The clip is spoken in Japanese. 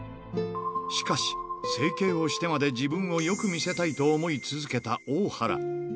しかし、整形をしてまで自分をよく見せたいと思い続けた大原。